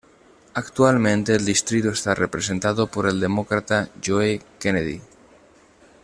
Actualmente el distrito está representado por el Demócrata Joe Kennedy.